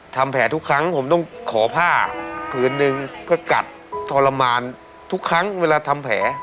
ทำแผลทุกครั้งผมต้องขอผ้าผืนนึงเพื่อกัดทรมานทุกครั้งเวลาทำแผล